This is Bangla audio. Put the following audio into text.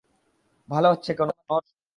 ভালো হচ্ছে, কনোর।